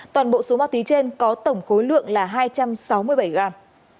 toàn bộ số ma túy trên có tổng khối lượng là hai trăm sáu mươi bảy gram